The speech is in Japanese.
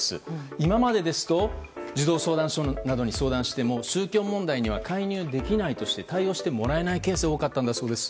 今までですと児童相談所などに相談しても宗教問題には介入できないとして対応してもらえないケースが多かったんだそうです。